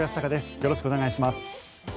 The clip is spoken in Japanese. よろしくお願いします。